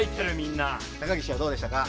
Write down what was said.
高岸はどうでしたか？